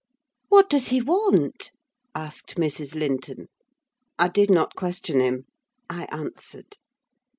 "What does he want?" asked Mrs. Linton. "I did not question him," I answered.